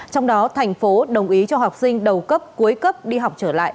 trong đó thành phố đồng ý cho học sinh đầu cấp cuối cấp đi học trở lại